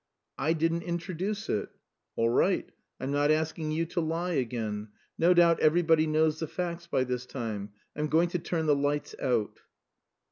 "I didn't introduce it." "All right. I'm not asking you to lie again. No doubt everybody knows the facts by this time. I'm going to turn the lights out."